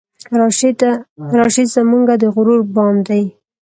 راشد زمونږه د غرور بام دی